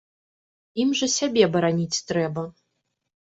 Ім жа сябе бараніць трэба!